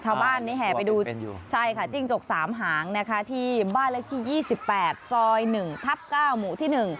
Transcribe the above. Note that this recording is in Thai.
ชาวบ้านนี่แห่ไปดูจริงจกสามหางที่บ้านละที่๒๘ซอย๑ทับ๙หมู่ที่๑